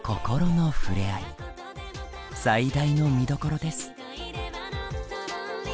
最大の見どころです。